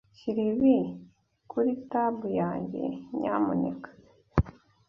Shyira ibi kuri tab yanjye, nyamuneka.